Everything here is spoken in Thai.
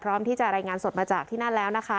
พร้อมที่จะรายงานสดมาจากที่นั่นแล้วนะคะ